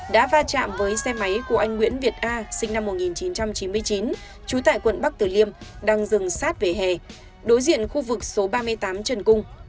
đã va chạm với xe máy của anh nguyễn việt a sinh năm một nghìn chín trăm chín mươi chín trú tại quận bắc tử liêm đang dừng sát về hè đối diện khu vực số ba mươi tám trần cung